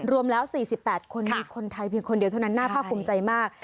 รวมแล้ว๔๘คนมีคนไทยเพียงคนเดียวเท่านั้นน่าภาคภูมิใจมาก